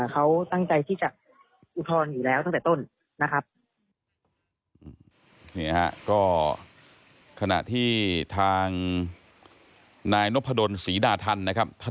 ก็ได้ยื่นอุทธธรรณเหมือนกันนะครับ